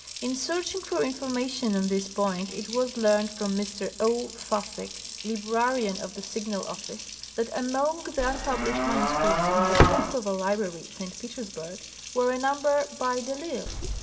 In searching for information on this point it was learned from Mr. 0. Fassig, librarian of the Signal Office, that among the un published manuscripts in the Pulkova library, St. Petersburg, were a number by de I'lsle.